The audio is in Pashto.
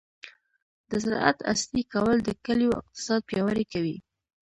د زراعت عصري کول د کلیو اقتصاد پیاوړی کوي.